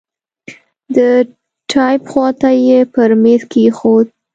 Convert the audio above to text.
د ټېپ خوا ته يې پر ميز کښېښود.